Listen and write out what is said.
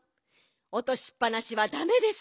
おとしっぱなしはだめです。